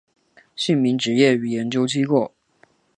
姓名职业与研究机构